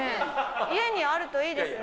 家にあるといいですね。